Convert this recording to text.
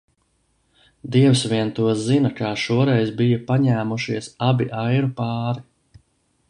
Dievs vien to zin, kā šoreiz bija paņēmušies abi airu pāri.